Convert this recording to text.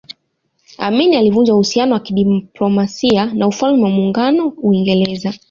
Amin alivunja uhusiano wa kidiplomasia na Ufalme wa Maungano Uingereza